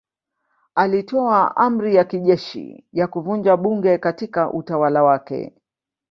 Alitoa amri ya kijeshi ya kuvunja bunge katika utawala wake.